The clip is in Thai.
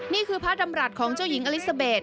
นี่คือพระดำรัฐของเจ้าหญิงอลิซาเบส